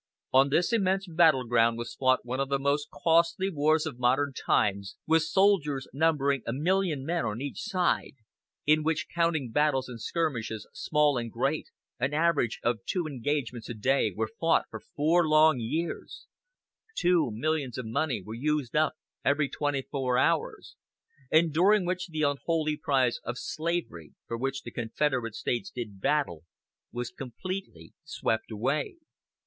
On this immense battle ground was fought one of the most costly wars of modern times, with soldiers numbering a million men on each side; in which, counting battles and skirmishes small and great, an average of two engagements a day were fought for four long years, two millions of money were used up every twenty four hours, and during which the unholy prize of slavery, for which the Confederate States did battle, was completely swept away.